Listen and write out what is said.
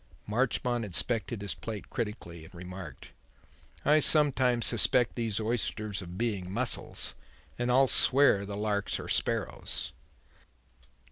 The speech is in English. Marchmont inspected his plate critically and remarked: "I sometimes suspect these oysters of being mussels; and I'll swear the larks are sparrows."